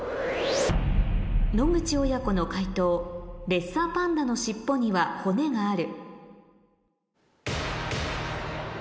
野口親子の解答「レッサーパンダのしっぽには骨がある」